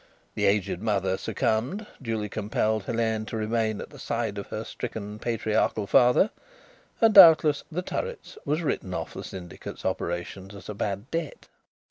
The aged mother succumbed; duty compelled Helene to remain at the side of her stricken patriarchal father, and doubtless The Turrets was written off the syndicate's operations as a bad debt."